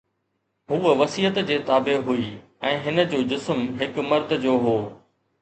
هوءَ وصيت جي تابع هئي ۽ هن جو جسم هڪ مرد جو هو